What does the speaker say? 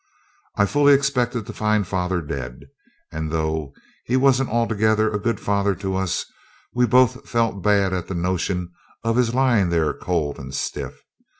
I fully expected to find father dead; and, though he wasn't altogether a good father to us, we both felt bad at the notion of his lyin' there cold and stiff.